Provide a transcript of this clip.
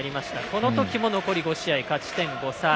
この時も残り５試合で勝ち点５差。